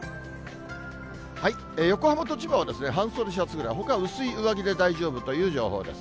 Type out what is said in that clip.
横浜と千葉は半袖シャツぐらい、ほか、薄い上着で大丈夫という情報です。